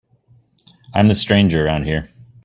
I'm the stranger around here.